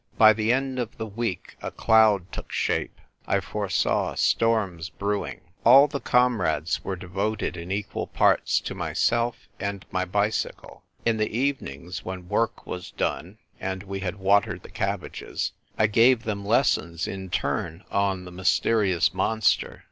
By the end of the week a cloud took shape : 1 foresaw storms brewing. All the comrades were devoted in equal parts to myself and my bicycle. In the evenings, when work was done, and we had watered the cabbages, I gave them lessons in turn on the mysterious monster.